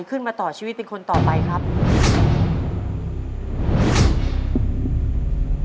คุณยายแจ้วเลือกตอบจังหวัดนครราชสีมานะครับ